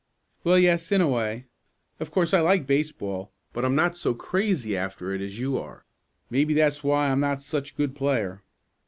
"Well, yes, in a way. Of course I like baseball, but I'm not so crazy after it as you are. Maybe that's why I'm not such a good player.